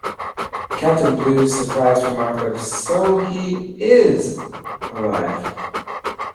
Captain Blue's surprised remark of "So he "is" alive!